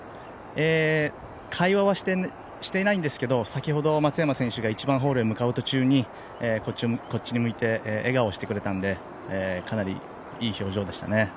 会話はしていないんですけど先ほど松山選手が１番ホールに向かう途中でこっちを向いて笑顔をしてくれたんでかなりいい表情でしたね。